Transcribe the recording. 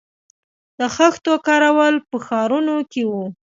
د خښتو کارول په ښارونو کې وو